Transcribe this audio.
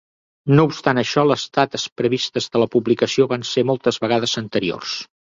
No obstant això, les dates previstes de la publicació van ser moltes vegades anteriors.